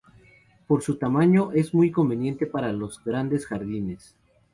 Por su tamaño es muy conveniente para los grandes jardines.